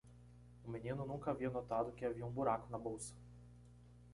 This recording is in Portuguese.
O menino nunca havia notado que havia um buraco na bolsa.